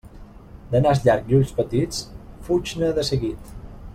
De nas llarg i ulls petits, fuig-ne de seguit.